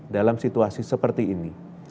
dalam situasi seperti ini